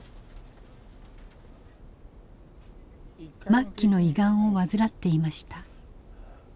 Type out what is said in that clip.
末期の胃がんを患っていました。